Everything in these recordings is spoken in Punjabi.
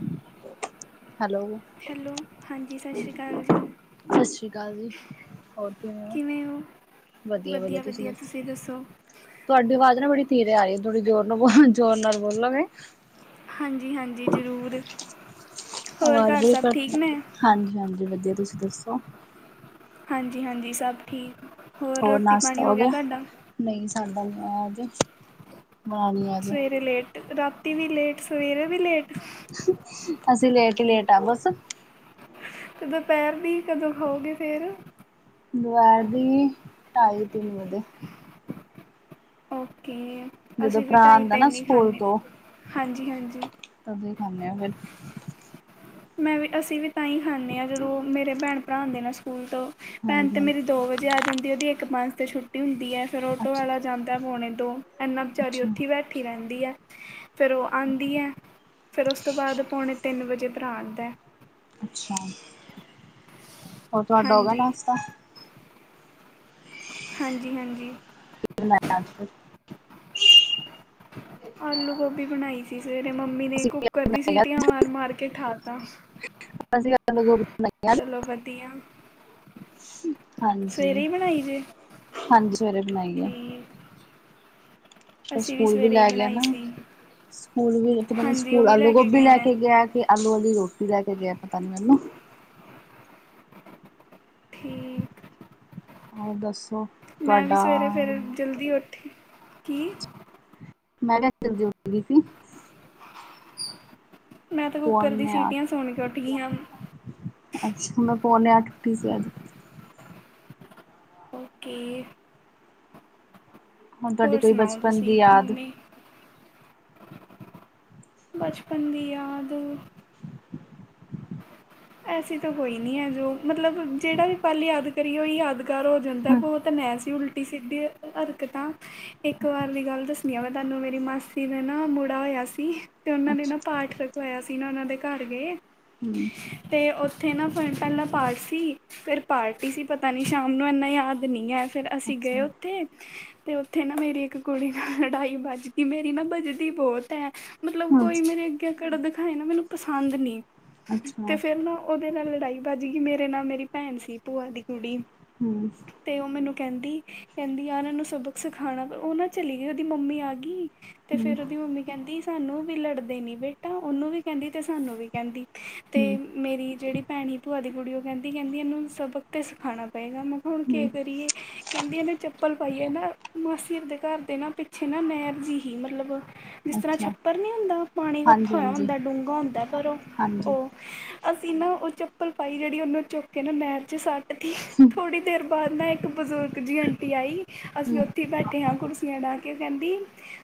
ਹ। ਹੈਲੋ ਹੈਲੋ ਹਾਂਜੀ ਸਤਿ ਸ਼੍ਰੀ ਅਕਾਲ ਜੀ ਸਤਿ ਸ੍ਰੀ ਅਕਾਲ ਜੀ। ਹੋਰ ਕਿਵੇਂ ਹੋ। ਵਧੀਆ ਵਧੀਆ ਤੁਸੀਂ ਦੱਸੋ। ਤੁਹਾਡੀ ਆਵਾਜ਼ ਨਾ ਬੜੀ ਧੀਰੇ ਆ ਰਹੀ ਹੈ ਥੋੜੀ ਜ਼ੋਰ ਨਾ ਬੋਲ ਜੋੋਰ ਨਾਲ ਬੋਲਾਂਗੇ। ਹਾਂਜੀ ਹਾਂਜੀ ਜ਼ਰੂਰ। ਹੋਰ ਆਵਾਜ਼ ਘਰ ਬੜੀ ਸਭ ਘਟ ਠੀਕ ਐ ਨੇ ਹਾਂਜੀ ਹਾਂਜੀ ਵਧੀਆ ਤੁਸੀਂ ਦੱਸੋ। ਹਾਂਜੀ ਹਾਂਜੀ ਸਭ ਠੀਕ ਹੋਰ ਰੋਟੀ ਪਾਣੀ ਹੋ ਗਿਆ ਤੁਹਾਡਾ। ਨਹੀਂ ਸਾਡਾ ਨੀ ਆਇਆ ਅਜੇ। ਬਣਾਉਣੀ ਹੈ। ਅਜੇ, ਸਵੇਰੇ ਲੇਟ ਰਾਤੀ ਵੀ ਲੇਟ ਸਵੇਰੇ ਵੀ ਲੇਟ ਅਸੀਂ ਲੇਟ ਹੀ ਲੇਟ ਆ ਬਸ। ਤੇ ਦੁਪਿਹਰ ਦੀ ਕਦੋਂ ਖੋਗੇ ਫੇਰ ਦੁਪਹਿਰ ਦੀ ਢਾਈ ਤਿੰਨ ਵਜੇ। ਓਕੇ ਜਦੋਂ ਅਸੀਂ ਵੀ ਭਰਾ ਢਾਈ ਆਂਦਾ ਨਾ ਤਿੰਨ ਹੀ ਸਕੂਲ ਖਾਨੇ ਹਾਂਜੀ ਹਾਂਜੀ। ਅਸੀਂ ਖਾਨੇ ਹ ਫਿਰ। ਮੈਂ ਵੀ ਅਸੀਂ ਵੀ ਤਾਂ ਹੀ ਖਾਂਦੇ ਹਾਂ ਜਦੋਂ ਮੇਰੇ ਭੈਣ ਭਰਾ ਆਉਂਦੇ ਨੇ ਸਕੂਲ ਤੋਂ ਭੈਣ ਤੇ ਹਾਂਜੀ-ਹਾਂਜੀ, ਮੇਰੀ ਦੋ ਵ ਜੇ ਆ ਜਾਂਦੀ ਉਹਦੀ ਇੱਕ ਪੰਜ ਤੇ ਛੁੱਟੀ ਹੁੰਦੀ ਹੈ ਫੇਰ ਔਟੋ ਅੱਛਾ। ਵਾਲਾ ਜਾਂਦਾ ਪਾਉਣੇ ਦੋ। ਇਨਾ ਵਿਚਾਰੀ ਉੱਥੇ ਅੱਛਾ-ਅੱਛਾ, ਬੈਠੀ ਰਹਿੰਦੀ ਹੈ। ਫਿਰ ਉਹ ਆਉਂਦੀ ਹੈ ਫਿਰ ਉਸ ਤੋਂ ਬਾਅਦ ਪੌਣੇ ਤਿੰਨ ਵਜੇ ਭਰਾ। ਆਦਾ। ਅੱਛਾ ਹੋਰ ਤੁਹਾਡਾ ਹੋਗਾ ਹਾਂਜੀ ਨਾਸਤਾ। ਹਾਂਜੀ ਹਾਂਜੀ। [unintelligible] ਆੱਜ। ਹ। ਆਲੂ ਗੋਭੀ ਬਣਾਈ ਸੀ ਸਵੇਰੇ ਮੰਮੀ ਨੇ ਅਸੀਂ ਕੁੱਕਰ ਦੀ ਸੀਟੀਆਂ ਮਾਰ-ਮਾਰ ਕੇ ਠਾਤਾ। ਸਾਸੀ ਕਾਲ। ਚਲੋ ਵਦੀਆ। ਹਾਂਜੀ, ਹੀ ਬਣਾਈ ਜੇ ਹਾਂਜੀ ਸਵੇਰੇ ਬਣਾਈ ਐ। ਠੀਕ ਅਸੀਂ ਸਕੂਲ ਵੀ ਸਵੇਰੇ ਹੀ ਲੈਗੇਆ ਬਣਾਈ ਨਾ, ਸੀ ਸਕੂਲ ਵੀ ਪਤਾ ਨੀ ਹਾਂਜੀ ਉਹ ਸਕੂਲ ਵੀ ਲੈ ਕੇ ਆਲੂ-ਗੋਬੀ ਗਏ ਨੇ ਲੈਕੇ ਗੇਆ। ਆਲੂ ਵਾਲੀ ਰੋਟੀ ਲੈ ਕੇ ਗਐ ਪਤਾ ਨੀ ਮੈਨੂੰ ਠੀਕ। ਹੋਰ ਦੱਸੋ ਮੈਂ ਵੀ ਤੋਹਾਡਾ। ਸਵੇਰੇ ਫਿਰ ਜਲਦੀ ਉੱਠੇ ਕੀ। ਮੈਂ ਕੇਆ ਜਲਦੀ ਉਠ ਗੀ ਸੀ। ਮੈਂ ਤਾ ਕੁੱਕਰ ਦੀ ਪੌਣੇ ਅੱਠ। ਸੀਟੀਆਂ ਸੁਨ ਕੇ ਉੱਠ ਗਈ ਆਂ। ਅੱਛਾ ਮੈਂ ਪੋਨੇ ਆੱਠ ਉਠੀ ਸੀ ਅੱਜ। ਓਕੇ। ਹੁਨ ਤੋਆਡੀ ਹੋਰ ਕੋਈ ਸੁਣਾਓ ਬਚਪਨ ਦੀ ਤੁਸੀਂ ਯਾਦ ਮੰਮੀ ਬਚਪਨ ਦੀ ਯਾਦ। ਐਸੀ ਤਾ ਕੋਈ ਨੀ ਐ ਜੋ ਮਤਲਬ ਜੇੜਾ ਵੀ ਪਲ ਯਾਦ ਕਰੀਏ ਓਈ ਯਾਦਗਾਰ ਹੋ ਜਾਂਦਾ ਬੋਤ ਨੈ ਸੀ ਉਲ ਟੀ ਸਿੱਧੀ ਹਰਕਤਾਂ। ਏਕ ਵਾਰ ਦੀ ਗਾੱਲ ਦੱਸਨੀ ਆ ਮੈਂ ਤਾਨੂੰ ਮੇਰੀ ਮਾਸੀ ਨੇ ਨਾ ਬੁੜਾ ਹੋਏਆ ਸੀ। ਤੇ ਓਨਾਂ ਨੇ ਅੱਛਾ ਨਾ ਪਾਠ ਰਖਵਾਏਆ ਸੀ ਨਾ ਓਨਾਂ ਦੇ ਘਾੱਰ ਗਏ। ਹੂੰ। ਤੇ ਓਥੇ ਨਾ ਫਨਟਲ ਦਾ ਪਾਠ ਸੀ। ਫੇਰ ਪਾਰਟੀ ਸੀ ਪਤਾ ਨੀ ਸ਼ਾਮ ਨੂੰ ਐਨਾ ਯਾਦ ਨੀ ਐ ਫੇਰ ਅਸੀ ਗਏ ਅੱਛਾ। ਓਥੇ। ਤੇ ਓਥੇ ਨਾ ਮੇਰੀ ਏਕ ਕੁੜੀ ਨਾਲ ਲੜਾਈ ਬੱਜਗੀ‌ ਮੇਰੀ ਨਾ ਬੱਜਦੀ ਬੋਤ ਐ। ਮਤਲਬ ਕੋਈ ਮੇਰੇ ਅੱਗੇ ਅਕੜ ਦਖਾਏ ਨਾ ਮੈਨੂੰ ਪਸਾੰਦ ਨੀ। ਅੱਛਾ। ਫੇਰ ਨਾ ਓਦੇ ਨਾਲ ਲੜਾਈ ਬਾਜਗੀ ਮੇਰੇ ਨਾਲ ਮੇਰੀ ਪੈਨ ਸੀ ਭੂਆ ਦੀ ਕੁੜੀ। ਹੂੰ। ਤੇ ਓ ਮੈਨੂੰ ਕੈਂਦੀ, ਕੈਂਦੀ ਯਾਰ ਐਨੂੰ ਸਬਕ ਸਖਾਣਾ ਪੋ ਓ ਨਾ ਚਲੀ ਗਈ ਓਦੀ ਮੰਮੀ ਆਗੀ। ਤੇ ਫੇਰ ਓਦੀ ਮੰਮੀ ਕੈਂਦੀ ਸਾਨੂੰ ਵੀ ਲੜਦੇ ਨੀ ਬੇਟਾ ਓਨੂੰ ਵੀ ਕੈਂਦੀ ਤੇ ਸਾਨੂੰ ਵੀ ਕੈਂਦੀ। ਹੂੰ, ਤੇ ਮੇਰੀ ਜੇੜੀ ਪੈਣੀ ਭੂਆ ਦੀ ਕੁੜੀ ਓ ਕੈਂਦੀ, ਕੈਦੀ ਐਨੂੰ ਸਬਕ ਤੇ ਸਖਾਣਾ ਪਏਗਾ‌ ਮੈਂ ਕੇਆ ਹੁਣ ਕੇ ਹੂੰ ਕਰੀਏ ਕੈਂਦੀ ਐਨੇ ਚੱਪਲ ਪਾਈ ਏ ਨਾ ਮਾਸੀ ਆਰ ਦੇ ਘਾੱਰ ਦੇ ਨਾ ਪਿ ਪਿੱਛੇ ਨਾ ਨੈਰ ਜੀ ਹੀ ਮਤਲਬ ਜਿਸ ਤਰਾਂ ਅੱਛਾ ਛੱਪਰ ਨੀ ਹੁੰਦਾ ਪਾਣੀ ਕੱਠਾ ਹੋਏਆ ਹਾਂਜੀ-ਹਾਂਜੀ। ਹੁੰਦਾ ਡੂੰਘਾ ਹੁੰਦਾ ਪਰ ਓ। ਹਾਂਜੀ ਅਸੀ ਨਾ ਓ ਚੱਪਲ ਪਾਈ ਜੇੜੀ ਓਨੂੰ ਚੁੱਕ ਕੇ ਨਾ ਨੈਰ ਚ ਸਾੱਟ ਤੀ। ਥੋੜੀ‌ ਦੇਰ ਬਾਦ ਨਾ ਏਕ ਬਜ਼ੁਰਗ ਜੀ ਆਂਟੀ ਆਈ, ਅਸੀ ਹੂੰ ਓਥੇ ਈ ਬੈਠੇ ਹਾਂ ਕੁਰਸੀਆਂ ਡਾ‌ਕੇ ਕੈਂਦੀ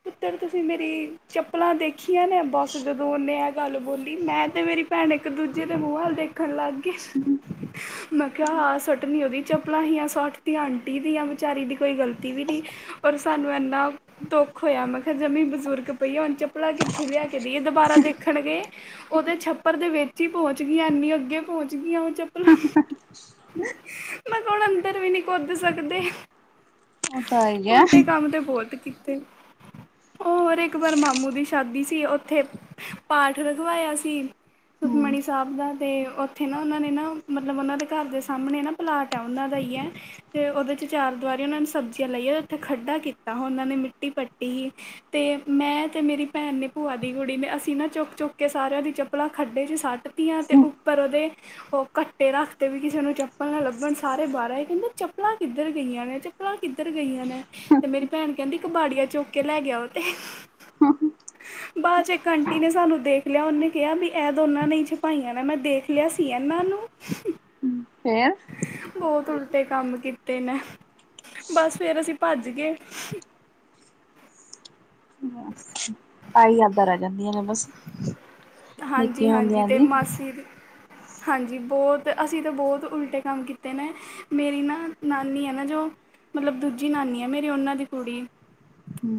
ਪੁੱਤਰ ਤੁਸੀ ਮੇਰੀ ਚੱਪਲਾਂ ਦੇਖੀਆਂ ਨੇ ਬਾੱਸ ਜਦੋਂ ਓਨੇ ਐ ਗਾੱਲ ਬੋਲੀ ਮੈਂ ਤੇ ਮੇਰੀ ਭੈਣ ਏਕ-ਦੂਜੇ ਦੇ ਮੂ ਵਲ ਦੇਖਨ ਲਾਗੇ। [inaudible] ਮੈਂ ਕੇਆ ਹਾ ਸਟਣੀ ਓਦੀ ਚੱਪਲਾਂ ਹੀਆਂ ਸਾਟ ਤੀ ਆਂਟੀ ਦੀਆਂ ਵਿਚਾਰੀ ਦੀ ਕੋਈ ਗ਼ਲਤੀ ਵੀ ਨੀ ਓਰ ਸਾਨੂੰ ਐਨਾ ਦੋਖ ਹੋਏਆ ਮੈਂ ਕੇਆ ਜਮੀ ਬਜ਼ੁਰਗ ਪਈ ਆ ਹੁਨ ਚੱਪਲਾਂ ਕਿੱਥੁ ਲੇਆ ਕੇ ਦੇਈਏ ਦੁਬਾਰਾ ਦੇਖਣ ਗਏ ਓਦੇ ਛੱਪਰ ਦੇ ਵੇਚ ਈ ਪੋਂਚ ਗਈਆਂ ਏਨੀ ਅੱਗੇ ਪੋਂਚ ਗਈਆਂ ਓ ਚੱਪਲਾਂ। ਮੈਂ ਕੋ ਹੋਨ ਅੰਦਰ ਵੀ ਨੀ ਕੋਦ ਸਕਦੇ। ਉਹ ਤਾਂ ਹੈ ਹੀ ਹੈ ਉਲਟੇ ਕੰਮ ਤੇ ਬੋਤ ਕੀਤੇ। ਹੋਰ ਇਕ ਵਾਰ ਮਾਮੂ ਦੀ ਸ਼ਾਦੀ ਸੀ ਉੱਥੇ ਪਾਠ ਰਖਵਾਇਆ ਸੀ। ਸੁਖਮਣੀ ਹੂੰ ਸਾਹਿਬ ਦਾ ਤੇ ਉਥੇ ਨਾ ਉਨਾਂ ਨੇ ਨਾ ਮਤਲਬ ਉਨਾਂ ਦੇ ਘਰ ਦੇ ਸਾਹਮਣੇ ਨਾ ਪਲਾਟ ਆ ਉਨਾਂ ਦਾ ਹੀ ਐ। ਤੇ ਉਦੇ 'ਚ ਚਾਰ ਦਵਾਰੀ ਉਹਨਾਂ ਨੇ ਸਬਜ਼ੀਆਂ ਲਾਈਆਂ ਉਥੇ ਖੱਡਾ ਕੀਤਾ ਉਨਾਂ ਨੇ ਮਿੱਟੀ ਪੱਟੀ ਏ। ਤੇ ਮੈਂ ਤੇ ਮੇਰੀ ਭੈਣ ਨੇ ਭੂਆ ਦੀ ਕੁੜੀ ਨੇ ਅਸੀ ਨਾ ਚੁੱਕ-ਚੁੱਕ ਕੇ ਸਾਰਿਆਂ ਦੀ ਚੱ ਪਲਾ ਖੱਡੇ 'ਚ ਸੱਟ ਤੀਆਂ ਤੇ ਉੱਪਰ ਉਦੇ ਓ ਕੱਟੇ ਰੱਖ ਤੇ ਵੀ ਕਿਸੇ ਨੂੰ ਚੱਪਲ ਨਾ ਲੱਭਣ ਸਾਰੇ ਬਾਰ ਆਏ ਕੈਂਦੇ ਚੱਪਲਾਂ ਕਿੱਧਰ ਗਈਆਂ ਨੇ ਤੇ ਪਲਾਂ ਕਿੱਧਰ ਗਈਆਂ ਨੇ ਤੇ ਮੇਰੀ ਭੈਣ ਕੈਂਦੀ ਕਬਾੜੀਆ ਚੁਕ ਕੇ ਲੈ ਗਿਆ ਓ ਤੇ ਬਾਦ 'ਚ ਏਕ ਆਂਟੀ ਨੇ ਸਾਨੂੰ ਦੇਖ ਲਿਆ ਉਨੇ ਕਿਆ ਬੀ ਐ ਦੋਨਾਂ ਨੇ ਈ ਛਪਾਈਆਂ ਨੇ ਮੈਂ ਦੇਖ ਲਿਆ ਸੀ ਐਨਾਂ ਨੂੰ ਫੇਰ ਬੋਤ ਉਲਟੇ ਕੰਮ ਕੀਤੇ ਨੇ ਬਸ ਫਿਰ ਅਸੀ ਭੱਜ ਗਏ। ਐ ਈ ਯਾਦਾਂ ਰਏ ਜਾਂਦੀਆਂ ਨੇ ਬਸ ਨਿੱਕੇ ਹਾਂਜੀ-ਹਾਂਜੀ ਹੁੰਦਿਆਂ ਤੇ ਦੀ ਮਾਸੀ ਦੀ ਹਾਂਜੀ ਬੋਤ ਅਸੀ ਤੇ ਬੋਤ ਉਲਟੇ ਕੰਮ ਕੀਤੇ ਨੇ। ਮੇਰੀ ਨਾ ਨਾਨੀ ਐ ਨਾ ਜੋ ਮਤਲਬ ਦੂਜੀ ਨਾਨੀ ਐ ਮੇਰੀ ਉਨਾਂ ਦੀ ਕੁੜੀ ਹੂੰ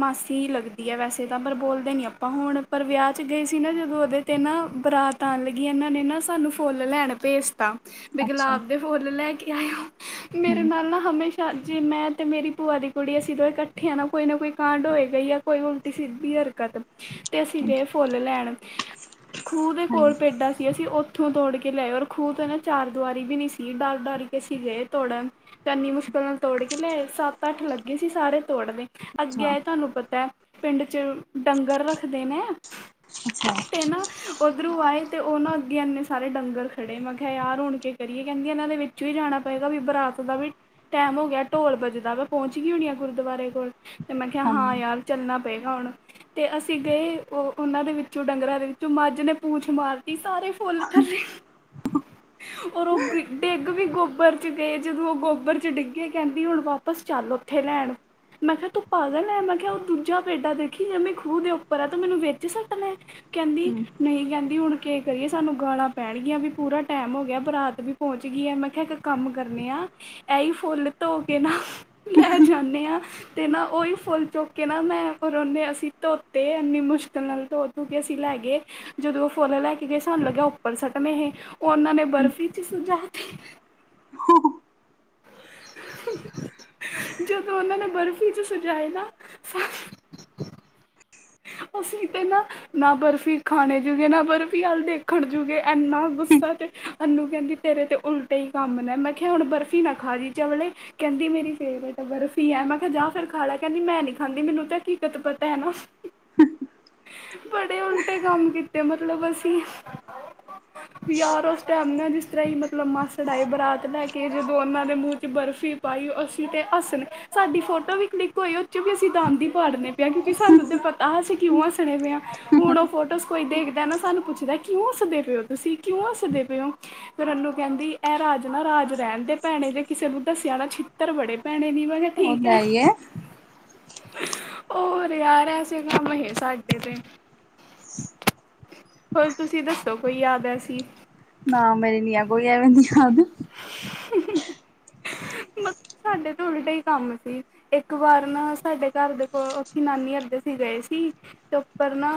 ਮਾਸੀ ਲੱਗਦੀ ਐ ਵੈਸੇ ਤਾਂ ਪਰ ਬੋਲਦੇ ਨੀ ਆਪਾਂ ਹੁਣ ਪਰ ਵਿਆਹ 'ਚ ਗਏ ਸੀ ਨਾ ਜਦੋਂ ਉਦੇ ਤੇ ਨਾ ਬਰਾਤ ਤ ਆਨ ਲੱਗੀ ਏਨਾਂ ਨੇ ਨਾ ਸਾਨੂੰ ਫੁੱਲ ਲੈਣ ਭੇਜਤਾ ਵੀ ਅੱਛਾ ਗੁਲਾਬ ਦੇ ਫੁੱਲ ਲੈ ਕੇ ਆਇਓ ਮੇਰੇ ਹੂੰ ਨਾਲ ਨਾ ਹਮੇਸ਼ਾ ਜੇ ਮੈਂ ਤੇ ਮੇਰੀ ਭੂਆ ਦੀ ਕੁੜੀ ਅਸੀ ਦੋਏ ਕੱਠੇ ਆ ਨਾ ਕੋਈ ਨਾ ਕੋਈ ਕਾਂਡ ਹੋਏਗਾ ਯਾ ਕੋਈ ਉਲਟੀ ਸਿੱਧੀ ਹਰਕਤ ਤੇ ਅਸੀ ਗਏ ਫੁੱਲ ਲੈਣ। ਖੂਹ ਦੇ ਕੋਲ ਹਾਂਜੀ ਪੇਡਾ ਸੀ ਅਸੀ ਓ ਇੱਥੋਂ ਤੋੜ ਕੇ ਲਏ ਔਰ ਖੂਹ ਤੋਂ ਨਾ ਚਾਰ ਦੁਆਰੀ ਵੀ ਨਹੀਂ ਸੀ ਡਰ-ਡਰ ਕੇ ਸੀ ਗਏ ਤੋੜਨ ਤੇ ਇੰਨੀ ਮੁਸ਼ਕਿਲ ਨਾਲ ਤੋੜ ਕੇ ਲੈ ਸੱਤ ਅੱਠ ਲੱਗੇ ਸੀ ਸਾਰੇ ਤੋੜਦੇ ਅੱਗੇ ਹਾਂ ਆਏ ਤੁਹਾਨੂੰ ਪਤਾ ਹੈ ਪਿੰਡ 'ਚ ਡੰਗਰ ਰੱਖਦੇ ਨੇ। [inaudible] ਤੇ ਨਾ ਓਧਰੋਂ ਆਏ ਤੇ ਉਹ ਨਾ ਅੱਗੇ ਇੰਨੇ ਸਾਰੇ ਡੰਗਰ ਖੜੇ ਮੈਂ ਕਿਹਾ ਯਾਰ ਹੁਣ ਕੀ ਕਰੀਏ ਕੈਂਦੀ ਇਹਨਾਂ ਦੇ ਵਿੱਚ 'ਚ ਜਾਣਾ ਪਏਗਾ ਵੀ ਬਰਾਤ ਦਾ ਵੀ ਟੈਮ ਹੋ ਗਿਆ ਢੋਲ ਬੱਜਦਾ ਮੈਂ ਪਹੁੰਚ ਗਈ ਹੋਣੀ ਆ ਗੁਰਦੁਆਰੇ ਕੋਲ ਤੇ ਮੈਂ ਕਿਆ ਹਾਂ ਹਾਂਜੀ ਯਾਰ ਚੱਲਣਾ ਪਏਗਾ ਹੁਣ ਤੇ ਅਸੀਂ ਗਏ ਉਹ ਉਹਨਾਂ ਦੇ ਵਿੱਚੋਂ ਡੰਗਰਾਂ ਦੇ ਵਿੱਚੋਂ ਮੱਝ ਨੇ ਪੂਛ ਮਾਰਤੀ ਸਾਰੇ ਫੁੱਲ ਥੱਲੇ [inaudible] ਔਰ ਓ ਡਿੱਗ ਵੀ ਗੋਬਰ 'ਚ ਗਏ ਜਦੋਂ ਓ ਗੋਬਰ 'ਚ ਡਿੱਗੇ ਕੈਂਦੀ ਹੁਣ ਵਾਪਸ ਚੱਲ। ਕਿੱਥੇ ਲੈਣ ਮੈਂ ਕਿਆ ਤੂੰ ਪਾਗਲ ਐਂ ਮੈਂ ਕਿਆ ਉਹ ਦੂਜਾ ਪੇਡਾ ਦੇਖੀ ਜੇ ਮੈਂ ਖੂਹ ਦੇ ਉੱਪਰ ਆ ਤੇ ਮੈਨੂੰ ਵਿਚ ਸਟਣਾ ਕੈਂਦੀ ਨਈ ਕੈਂਦੀ ਹੁਣ ਕਿ ਕਰੀਏ ਸਾਨੂੰ ਗਾਲਾਂ ਪੈਣਗੀਆਂ ਵੀ ਪੂਰਾ ਟੈਮ ਹੋ ਗਿਆ ਬਰਾਤ ਵੀ ਪਹੁੰਚ ਗਈ ਹੈ ਮੈਂ ਕਿਆ ਇੱਕ ਕੰਮ ਕਰਨੇ ਆ। ਏਹੀ ਫੁੱਲ ਧੋ ਕੇ ਨਾ ਲੈ ਜਾਂਣੇ ਆਂ ਤੇ ਨਾ ਉਹੀ ਫੁੱਲ ਚੁੱਕ ਕੇ ਨਾ ਮੈਂ ਫਿਰ ਉਹਨੇ ਅਸੀਂ ਧੋਤੇ ਇੰਨੀ ਮੁਸ਼ਕਿਲ ਨਾਲ ਧੋ ਧੂਕੇ ਅਸੀਂ ਲੈ ਗਏ। ਜਦੋਂ ਉਹ ਫੁੱਲ ਲੈ ਕੇ ਗਏ ਸਾਨੂੰ ਲੱਗਿਆ ਉੱਪਰ ਸੁੱਟਣੇ ਹੀ ਉਹ ਉਹਨਾਂ ਨੇ ਬਰਫ਼ੀ 'ਚ ਸਜਾ ਤੇ [inaudible] ਜਦੋਂ ਉਹਨਾਂ ਨੇ ਬਰਫ਼ੀ 'ਚ ਸਜਾਏ ਨਾ ਅਸੀਂ ਤੇ ਨਾ ਨਾ ਬਰਫ਼ੀ ਖਾਣੇ ਜੂਗੇ ਨਾ ਬਰਫ਼ੀ ਹੱਲ ਦੇਖਣ ਜੁਗੇ ਇੰਨਾ ਗੁੱਸਾ ਤੇ ਸਾਨੂੰ ਕੈਂਦੀ ਤੇਰੇ ਤਾਂ ਉਲਟੇ ਹੀ ਕੰਮ ਨੇ ਮੈਂ ਕਿਆ ਹੁਣ ਬਰਫ਼ੀ ਨਾ ਖਾ ਜਈ ਚਵੱਲੇ ਕਹਿੰਦੀ ਮੇਰੀ ਫੇਵਰੇਟ ਬਰਫ਼ੀ ਹੈ ਮੈਂ ਕਿਹਾ ਜਾ ਫਿਰ ਖਾ ਲਾ ਕਹਿੰਦੀ ਮੈਂ ਨਹੀਂ ਖਾਂਦੀ ਮੈਨੂੰ ਤਾਂ ਕੀਕਤ ਪਤਾ ਹੈ ਨਾ। ਹੀ ਹੀ। ਬੜੇ ਉਲਟੇ ਕੰਮ ਕੀਤੇ ਮਤਲਬ ਅਸੀਂ। [inaudible] ਯਾਰ ਉਸ ਟਾਈਮ ਨਾਲ ਜਿਸ ਤਰ੍ਹਾਂ ਹੀ ਮਤਲਬ ਮਾਸੜ ਆਏ ਬਰਾਤ ਲੈ ਕੇ ਜਦੋਂ ਉਹਨਾਂ ਦੇ ਮੂੰਹ 'ਚ ਬਰਫ਼ੀ ਪਾਈਓ ਅਸੀਂ ਤੇ ਹੱਸਣੇ ਸਾਡੀ ਫੋਟੋ ਵੀ ਕਲਿੱਕ ਹੋਈ ਉਹ ਚੋਂ ਵੀ ਅਸੀਂ ਦੰਦ ਹੀ ਫਾੜਨੇ- ਕਿਉਂਕਿ ਸਾਨੂੰ ਤੇ ਪਤਾ ਅਸੀਂ ਕਿਉਂ ਹੱਸਨੇ ਪਏ ਹੁਣ ਉਹ ਫੋਟੋ ਕੋਈ ਦੇਖਦਾ ਨਾ ਸਾਨੂੰ ਪੁੱਛਦਾ ਕਿਉਂ ਹਸਦੇ ਪਏ ਹੋ ਤੁਸੀਂ ਕਿਉਂ ਹਸਦੇ ਪਏ ਹੋ। ਫਿਰ ਅਨੂੰ ਕਹਿੰਦੀ ਇਹ ਰਾਜ ਨਾ ਰਾਜ ਰਹਿਣ ਦੇ ਭੈਣੇ ਜੇ ਕਿਸੇ ਨੂੰ ਦੱਸਿਆ ਨਾ ਛਿੱਤਰ ਬੜੇ ਭੈਣੇ ਦੀ ਵੀਹ ਵਾਰ ਕਿਹਾ ਉਹ ਠੀਕ ਤਾਂ ਹੀ ਹੈ ਹੋਰ ਯਾਰ ਹੈ। ਕੰਮ ਹੀ ਸਾਡੇ ਤੇ। ਹੋਰ ਤੁਸੀਂ ਦੱਸੋ ਕੋਈ ਯਾਦ ਏਸੀ। ਨਾ ਮੇਰੀ ਨ ਆ ਕੋਈ ਆਦੀ ਯਾਦ। [unintelligible] ਹੂ ਹੂ ਸਾਡੇ ਤੋਂ ਉਲਟਾ ਹੀ ਕੰਮ ਸੀ। ਇੱਕ ਵਾਰ ਨਾ ਸਾਡੇ ਘਰ ਦੇ ਕੋਲ ਉੱਥੇ ਨਾਨੀ ਅਰਦੇ ਸੀ ਗਏ ਸੀ। ਉੱਪਰ ਨਾ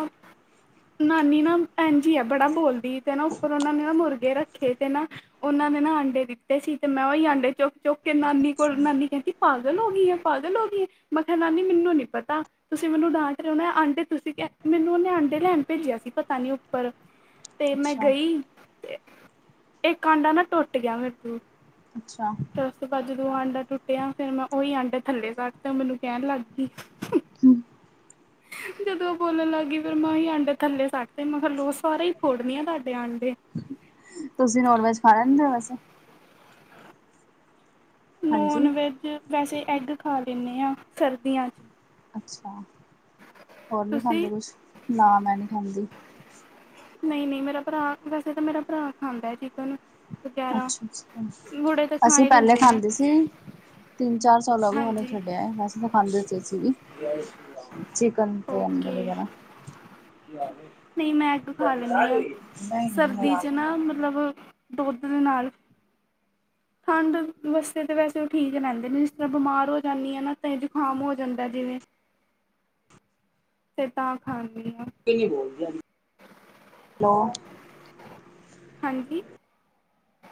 ਨਾਨੀ ਨਾ ਇਜੀ ਹੈ ਬੜਾ ਬੋਲਦੀ ਤੇ ਨਾ ਉੱਪਰ ਉਹਨਾਂ ਨੇ ਨਾ ਮੁਰਗੇ ਰੱਖੇ ਤੇ ਨਾ ਉਹਨਾਂ ਨੇ ਨਾ ਆਂਡੇ ਦਿੱਤੇ ਸੀ ਤੇ ਮੈਂ ਉਹੀ ਆਂਡੇ ਚੁਕ ਕੇ ਚੁਕਕੇ ਨਾਨੀ ਕੋਲ ਅੱਛਾ ਨਾਨੀ ਕਹਿੰਦੀ ਪਾਗਲ ਹੋ ਗਈ ਹੈ ਪਾਗਲ ਹੋ ਗਈ ਹੈ ਮੈਂ ਕਿਹਾ ਨਾਨੀ ਮੈਨੂੰ ਨੀ ਪਤਾ। ਤੁਸੀਂ ਮੈਨੂੰ ਡਾਂਟ ਰਹੇ ਹੋ ਨਾ ਆਂਡੇ ਤੁਸੀਂ ਮੈਨੂੰ ਉਹਨੇ ਆਂਡੇ ਲੈਣ ਭੇਜਿਆ ਸੀ ਪਤਾ ਨੀ ਉੱਪਰ। ਤੇ ਮੈਂ ਅੱਛਾ ਗਈ ਤੇ ਇਹ ਅੰਡਾ ਨਾ ਟੁੱਟ ਗਿਆ ਮੇਰੇ ਤੋ ਅੱਛਾ। ਉਸ ਤੋਂ ਬਾਅਦ ਜਦੋਂ ਆਂਡਾ ਟੁੱਟਿਆ ਫੇਿਰ ਮੈਂ ਉਹੀ ਆਂਡੇ ਥੱਲੇ ਕਰਤੇ ਤੇ ਮੈਨੂੰ ਕਹਿਣ ਲੱਗ ਗਈ। ਜਦੋਂ ਉਹ ਬੋਲਣ ਲੱਗ ਗ ਫਿਰ ਮੈਂਸੀ ਆਂਡੇ ਥੱਲੇ ਸੱਟ ਤੇ ਮੈਂ ਕਿਹਾ ਲੋ ਸਾਰੇ ਹੀ ਫੋੜਨ ਆ ਤੁਹਾਡੇ ਆਂਡੇ। ਤੁਸੀਂ ਨੋਨ ਵੈਜ ਖਾ ਲੈਂਦੇ ਹੋ ਵੈਸੇ। ਹਾਂਜੀ ਨੋਨ ਵੈਜ ਵੈਸੇ ਐਗ ਖਾ ਲੈਂਦੇ ਹਾਂ ਸਰਦੀਆਂ ਚ। ਅੱਛਾ ਹੋਰ ਨੀ ਖਾਂਦੇ ਤੁਸੀਂ ਕੁਛ ਨਾ ਮੈਂ ਨਹੀਂ ਖਾਂਦੀ। ਨਹੀਂ ਨਹੀਂ ਮੇਰਾ ਭਰਾ ਵੈਸੇ ਤਾਂ ਮੇਰਾ ਭਰਾ ਖਾਂਦਾ ਏ ਚਿਕਨ। ਵਗੈਰਾ ਅੱਛਾ ਅੱਛਾ ਬੁੜੇ ਤਾਂ ਖਾ ਅਸੀਂ ਹੀ ਪਹਿਲੇ ਲੈਂਦੇ ਨੇ ਖਾਂਦੇ ਸੀ ਤਿੰਨ ਚਾਰ ਸਾਲ ਹੋ ਗਿਆ ਹੁਨੇ ਹਾਂਜੀ ਛੱਡਿਆ ਹੈ ਬਸ। ਪਹਿਲੇ ਖਾਂਦੇ ਅਸੀ ਵੀ ਚਿਕਨ ਤੇ ਅੰਡੇ ਓਕੇ ਵਗੈਰਾ। ਨਹੀਂ ਮੈਂ ਐੱਗ ਖਾ ਲੈਂਦੀ ਹਾਂ ਨਹੀਂ ਨਹੀਂ ਸਰਦੀ ਨਾਰਾਜ 'ਚ ਨਹੀ ਨਾ ਆ। ਮਤਲਬ ਦੁੱਧ ਦੇ ਨਾਲ ਠੰਡ ਵਾਸਤੇ ਤਾਂ ਵੈਸੇ ਉਹ ਠੀਕ ਰਹਿੰਦੇ ਨੇ, ਜਿਸ ਤਰ੍ਹਾਂ ਬਿਮਾਰ ਹੋ ਜਾਂਨੀ ਆ ਨਾ ਤਾਂ ਜੁਕਾਮ ਹੋ ਜਾਂਦਾ ਜਿਵੇਂ। ਹ [inaudible] ਤੇ ਤਾਂ ਖਾਂਨੀ ਹਾਂ। ਬੋਲਦੇਲੋ [unintelligible] ਹਾਂਜੀ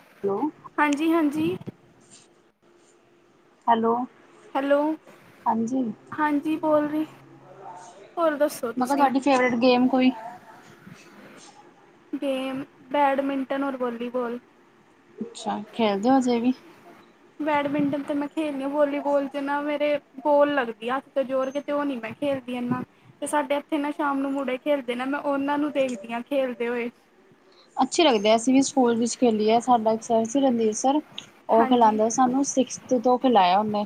ਹੈਲੋ ਹਾਂਜੀ ਹਾਂਜੀ ਹੈਲੋ ਹੈਲੋ ਹਾਂਜੀ ਮੈਂ ਹਾਂਜੀ ਬੋਲ ਰੀ। ਹੋਰ ਦੱਸੋ ਕਿਹਾ ਤੁਸੀਂ। ਤੁਹਾਡੀ ਫੇਵਰੇਟ ਗੇਮ ਕੋਈ ਗੇਮ ਬੈਡਮਿੰਟਨ, ਔਰ ਵੋਲੀਬੋਲ। ਅੱਛਾ ਖੇਲਦੇ ਹੋ ਹਜੇ ਵੀ। ਬੈਡਮਿੰਟਨ ਤੇ ਮੈਂ ਖੇਲਣੀ ਹਾਂ ਵੋਲੀਬੋਲ ਚ ਨਾ ਮੇਰੇ ਬੋਲ ਲੱਗਦੀ ਹੱਥ ਤੇ ਜੋਰ ਕੇ ਤੇ ਉਹ ਨੀ ਮੈਂ ਖੇਲਦੀ ਏਨਾ। ਤੇ ਸਾਡੇ ਇੱਥੇ ਨਾ ਸ਼ਾਮ ਨੂੰ ਮੁੜੇ ਖੇਲਦੇ ਏ ਨਾ ਮੈਂ ਉਹਨਾਂ ਨੂੰ ਦੇਖਦੀ ਹਾਂ ਖੇਲਦੇ ਹੋਏ। ਅੱਛੇ ਲੱਗਦੇ ਏ, ਅਸੀਂ ਵੀ ਸਕੂਲ ਵਿੱਚ ਖੇਲੀਏ ਸਾਡਾ ਇੱਕ ਸਰ ਸੀ ਰਣਧੀਰ ਸਰ। ਉਹ ਹਾਂਜੀ ਖਿਲਾਂਂਦਾ ਸਾਨੂੰ ਸਿਕਸਥ ਤੋਂ ਖਿਲਾਇਆ ਉਹਨੇ।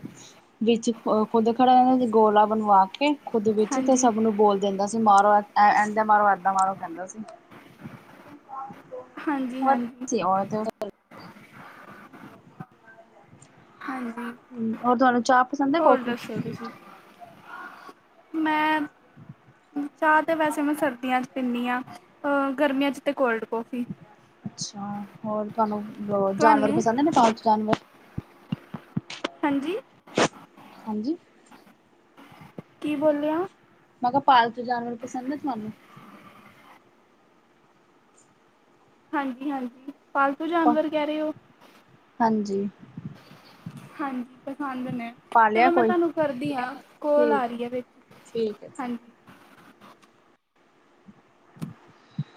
ਵਿੱਚ ਖੁੱਦ ਖੜਾ ਹੋ ਜਾਂਨਾ, ਗੋਲਾ ਬਣਵਾ ਕੇ ਖੁੱਦ ਵਿੱਚ ਤੇ ਹਾਂਜੀ ਸਭ ਨੂੰ ਬੋਲ ਦਿੰਦਾ ਸੀ ਮਾਰੋ ਇਦਾਂ ਮਾਰੋ ਏਦਾਂ ਮਾਰੋ ਕਹਿੰਦਾ ਸੀ। ਹਾਂਜੀ ਹਾਂਜੀ ਔਰ [unintelligible] [unintelligible] ਹਾਂਜੀ ਹੋਰ ਤੁਹਾਨੂੰ ਚਾਹ ਪਸੰਦ ਏ ਹੋਰ ਕੋਫੀ। ਦੱਸੋ ਤੁਸੀਂ ਮੈਂ ਚਾਹ ਤੇ ਵੈਸੇ ਮੈਂ ਸਰਦੀਆਂ 'ਚ ਪੀਂਨੀ ਆਂ, ਅ ਗਰਮੀਆਂ 'ਚ ਤੇ ਕੋਲਡ ਕੌਫੀ ਅੱਛਾ ਹੋਰ ਤੁਹਾਨੂੰ ਅ ਜਾਨਵਰ ਤੁਹਾਨੂੰ ਪਸੰਦ ਏ ਪਾਲਤੂ ਜਾਨਵਰ। ਹਾਂਜੀ ਹਾਂਜੀ ਕੀ ਬੋਲਿਆ। ਮੈਂ ਕਿਹਾ ਪਾਲਤੂ ਜਾਨਵਰ ਪਸੰਦ ਨੇ ਤੁਹਾਨੂੰ। ਹਾਂਜੀ ਹਾਂਜੀ ਪਾਲਤੂ ਜਾਨਵਰ ਕਹਿ ਰਹੇ ਉ। ਹਾਂਜੀ ਹਾਂਜੀ ਪਸੰਦ ਨੇ। ਪਾਲਿਆ ਚਲੋ ਮੈਂ ਕੋਈ ਤੁਹਾਨੂੰ ਕਰਦੀ ਆਂ, ਕੋਲ ਆ ਠੀਕ ਹੈ ਰਹੀ ਏ ਵਿੱਚ। ਠੀਕ ਹੈ ਠੀਕ ਹਾਂਜੀ [inaudible] [unintelligible]